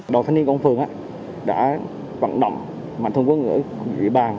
đồng thanh niên của ông phường đã vận động mạnh thông quân của địa bàn